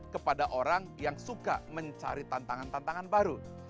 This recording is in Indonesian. kepada orang yang suka mencari tantangan tantangan baru